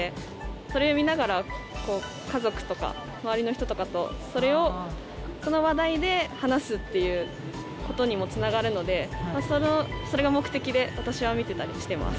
それを見ながらこう家族とか周りの人とかとその話題で話すっていう事にも繋がるのでそれが目的で私は見てたりしてます。